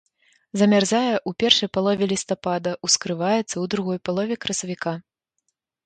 Замярзае ў першай палове лістапада, ускрываецца ў другой палове красавіка.